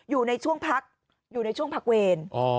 อยู่ในช่วงพักเวร